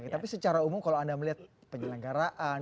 tapi secara umum kalau anda melihat penyelenggaraan